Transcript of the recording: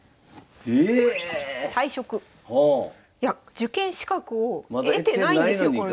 受験資格を得てないんですよ